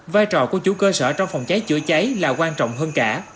vai trò của chủ cơ sở trong phòng trái chữa trái là quan trọng hơn cả